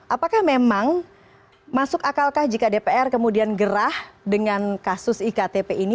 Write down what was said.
apakah memang masuk akalkah jika dpr kemudian gerah dengan kasus iktp ini